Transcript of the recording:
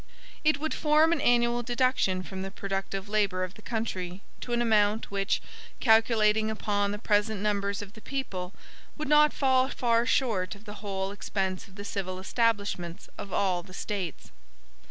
It would form an annual deduction from the productive labor of the country, to an amount which, calculating upon the present numbers of the people, would not fall far short of the whole expense of the civil establishments of all the States.